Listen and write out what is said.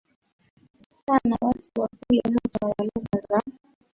sana Watu wa kule hasa wa lugha za